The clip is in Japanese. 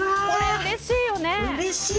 うれしいね。